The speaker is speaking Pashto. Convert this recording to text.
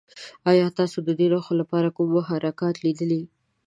ایا تاسو د دې نښو لپاره کوم محرکات لیدلي؟